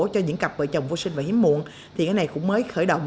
cho những cặp vợ chồng vô sinh và hiếm muộn thì cái này cũng mới khởi động